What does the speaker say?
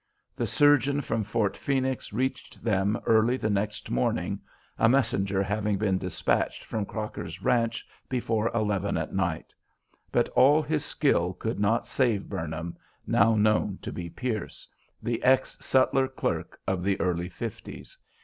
The surgeon from Fort Phoenix reached them early the next morning, a messenger having been despatched from Crocker's ranch before eleven at night, but all his skill could not save "Burnham," now known to be Pierce, the ex sutler clerk of the early Fifties.